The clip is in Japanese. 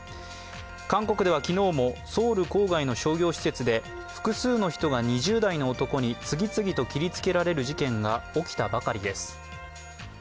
韓国では昨日もソウル郊外の商業施設で複数の人が２０代の男に次々と切りつけられる事件が起きたばかりです。